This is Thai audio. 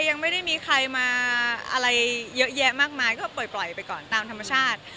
ยังไม่ได้มีใครมาอะไรเยอะแยะมากมายก็ปล่อยไปก่อนตามธรรมชาติ